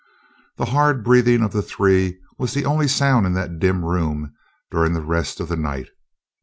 The hard breathing of the three was the only sound in that dim room during the rest of the night.